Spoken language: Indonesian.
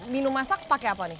minum masak pakai apa nih